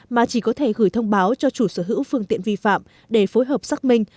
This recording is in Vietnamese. mà chỉ có thể gửi thông báo cho chủ sở hữu phương tiện vi phạm để phối hợp xác minh